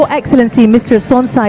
pemerintah pemerintah lau